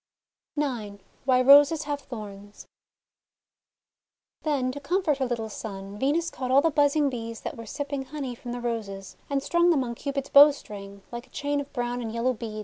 IX WHY ROSES HAVE THORNS THEN to comfort her little son, Venus caught all the buzzing Bees that were sipping honey from the Roses, and strung them on Cupid's bowstring like a chain of brown and yellow beads.